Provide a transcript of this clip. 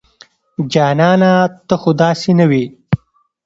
جانانه ته خو داسې نه وې